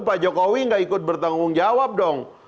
pak jokowi nggak ikut bertanggung jawab dong